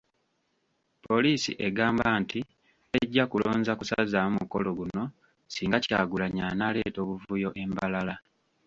Poliisi egamba nti tejja kulonza kusazaamu mukolo guno singa Kyagulanyi anaaleeta obuvuyo e Mbarara.